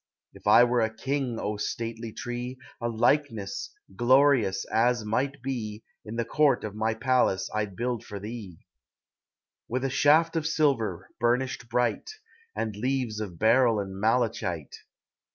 If I were a king, O stateh T tree, A likeness, glorious as might be, In the court of my palace I 'd build for thee; With a shaft of silver, burnished bright, And leaves of beryl and malachite; TREES: FLOWERS: PLANTS.